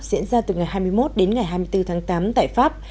diễn ra từ ngày hai mươi một đến ngày hai mươi bốn tháng tám tại pháp